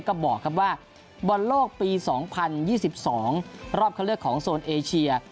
ก็บอกครับว่าบอลโลกปี๒๐๒๒รอบเข้าเลือกของโซนเอเชีย